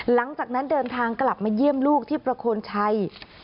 หลังจากนั้นเดินทางกลับมาเยี่ยมลูกที่ประโคนชัย